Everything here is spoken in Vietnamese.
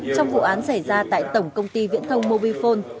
trong vụ án xảy ra tại tổng công ty viễn thông mobile phone